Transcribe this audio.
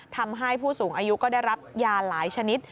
ทำให้ผู้สูงอายุก็ได้รับยาหลายชนิด